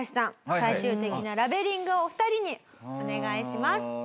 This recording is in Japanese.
最終的なラベリングをお二人にお願いします。